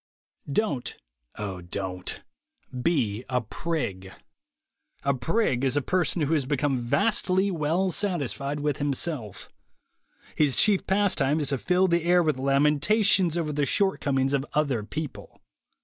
Don't, (O Don't) be a prig. A prig is a person who has become vastly well satisfied with himself. His chief pastime is to fill the air with lamentations over the shortcomings of other people.